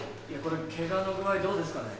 ケガの具合どうですかね。